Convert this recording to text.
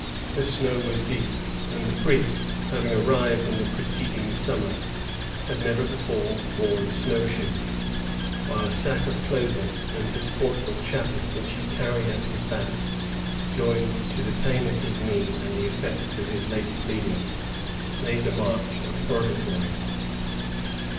The snow was deep; and the priest, having arrived in the preceding summer, had never before worn snowHshoes, while a sack of cloth ing, and his portable chapel which he carried at his back, joined to the pain of his knee and the effects of his late bleeding, made the march a purgatory.